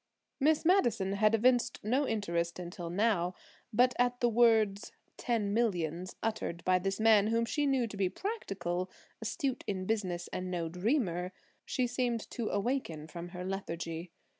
Miss Madison had evinced no interest until now, but at the words "ten millions" uttered by this man whom she knew to be practical, astute in business and no dreamer, she seemed to awaken from her lethargy.